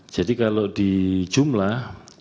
jadi kalau di jumlah